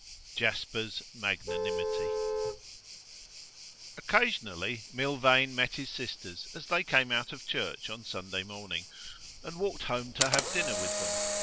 JASPER'S MAGNANIMITY Occasionally Milvain met his sisters as they came out of church on Sunday morning, and walked home to have dinner with them.